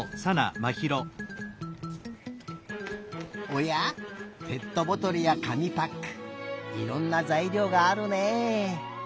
おやペットボトルや紙パックいろんなざいりょうがあるねえ。